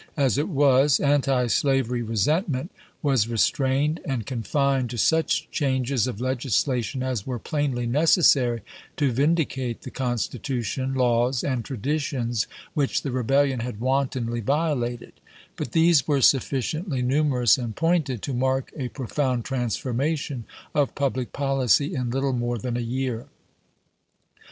As it was, antislavery resentment was restrained and confined to such changes of leg islation as were plainly necessary to vindicate the Constitution, laws, and traditions which the Rebellion had wantonly violated ; but these were sufficiently numerous and pointed to mark a pro found transformation of public policy in little more 108 ABRAHAM LINCOLN Chap. V. than a year.